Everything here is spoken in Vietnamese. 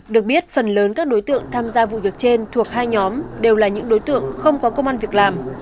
được biết phần lớn các đối tượng tham gia vụ việc trên thuộc hai nhóm đều là những đối tượng không có công an việc làm